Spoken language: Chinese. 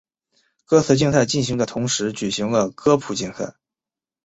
歌词竞赛进行的同时举行了歌谱竞赛。